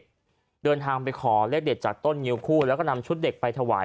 เดินทางไปขอเลขเด็ดจากต้นงิวคู่แล้วก็นำชุดเด็กไปถวาย